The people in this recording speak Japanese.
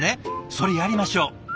それやりましょう。